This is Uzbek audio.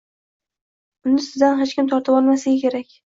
Uni sizdan hech kim tortib olmasligi kerak